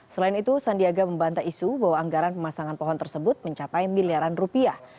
selain itu sandiaga membanta isu bahwa anggaran pemasangan pohon tersebut mencapai miliaran rupiah